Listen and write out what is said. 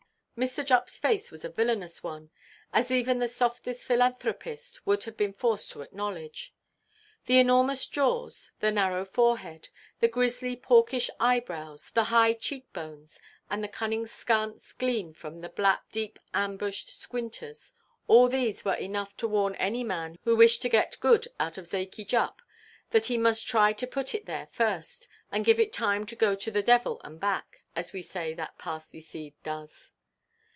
Mr. Juppʼs face was a villainous one; as even the softest philanthropist would have been forced to acknowledge. The enormous jaws, the narrow forehead, the grisly, porkish eyebrows, the high cheek–bones, and the cunning skance gleam from the black, deep–ambushed squinters—all these were enough to warn any man who wished to get good out of Zakey Jupp that he must try to put it there first, and give it time to go to the devil and back, as we say that parsley–seed does.